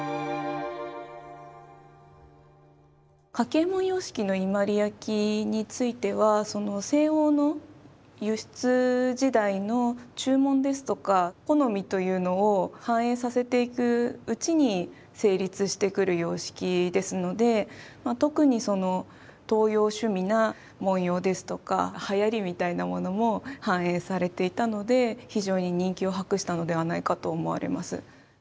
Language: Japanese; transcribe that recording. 柿右衛門様式の伊万里焼については西欧の輸出時代の注文ですとか好みというのを反映させていくうちに成立してくる様式ですので特にその東洋趣味な文様ですとかはやりみたいなものも反映されていたので非常に人気を博したのではないかと思われます。